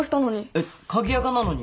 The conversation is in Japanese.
えっ鍵アカなのに？